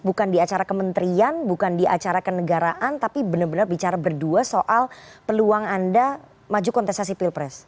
bukan di acara kementerian bukan di acara kenegaraan tapi benar benar bicara berdua soal peluang anda maju kontestasi pilpres